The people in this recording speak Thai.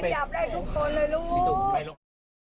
จับได้ทุกคนเลยลูก